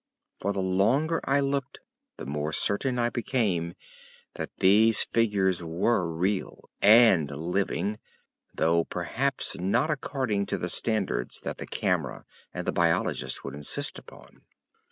For the longer I looked the more certain I became that these figures were real and living, though perhaps not according to the standards that the camera and the biologist would insist upon.